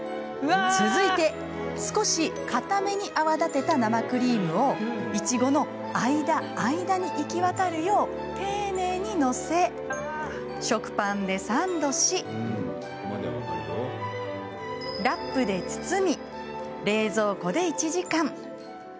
続いて、少しかために泡立てた生クリームをいちごの間、間に行き渡るよう丁寧に載せ食パンでサンドしラップで包み、冷蔵庫で１時間。